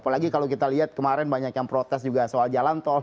apalagi kalau kita lihat kemarin banyak yang protes juga soal jalan tol